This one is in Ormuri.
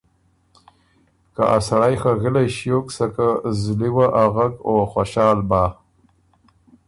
که ”ا سړئ خه غِلئ ݭیوک سکه زلی وه اغک او خؤشال بۀ،